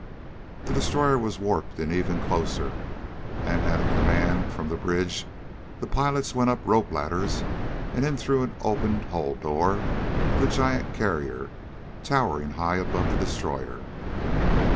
The destroyer was warped in even closer, and at a command from the bridge the pilots went up rope ladders and in through an opened hull door of the giant carrier towering high above the destroyer.